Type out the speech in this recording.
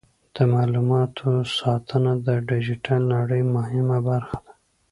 د معلوماتو ساتنه د ډیجیټل نړۍ مهمه برخه ده.